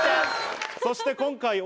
そして今回。